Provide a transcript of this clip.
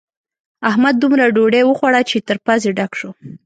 احمد دومره ډوډۍ وخوړه چې تر پزې ډک شو.